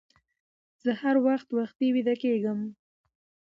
زه هر وخت وختي ويده کيږم